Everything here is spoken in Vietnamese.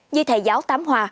như thầy giáo tám hòa